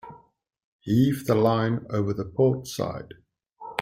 Heave the line over the port side.